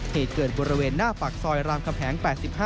เหตุเกิดบริเวณหน้าปากซอยรามคำแหง๘๕